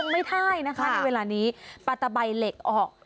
ไม่ได้นะคะในเวลานี้ปัตตะใบเหล็กออก